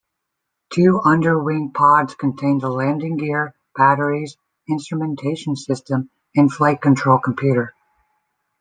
Two underwing pods contain the landing gear, batteries, instrumentation system, and flight control computer.